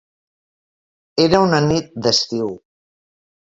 Era una nit d'estiu.